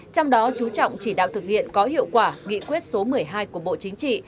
trong đó chú trọng chỉ đạo thực hiện có hiệu quả nghị quyết số một mươi hai của bộ chính trị